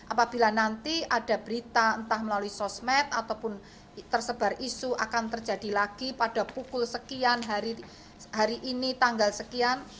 apabila nanti ada berita entah melalui sosmed ataupun tersebar isu akan terjadi lagi pada pukul sekian hari ini tanggal sekian